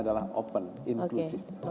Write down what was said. adalah open inklusif